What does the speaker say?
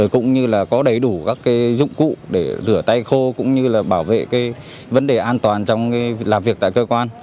cũng như là có đầy đủ các dụng cụ để rửa tay khô cũng như là bảo vệ vấn đề an toàn trong làm việc tại cơ quan